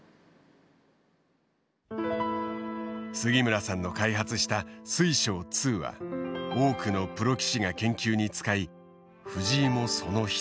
杉村さんの開発した水匠２は多くのプロ棋士が研究に使い藤井もその一人だ。